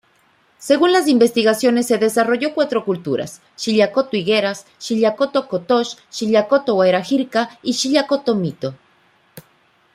Según las investigaciones se desarrolló cuatro culturas: Shillacoto-Higueras, Shillacoto-Kótosh, Shillacoto-Wairajirka y Shillacoto-Mito.